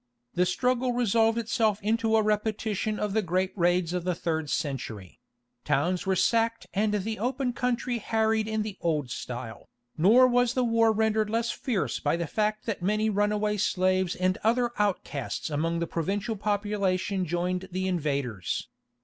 The struggle resolved itself into a repetition of the great raids of the third century: towns were sacked and the open country harried in the old style, nor was the war rendered less fierce by the fact that many runaway slaves and other outcasts among the provincial population joined the invaders.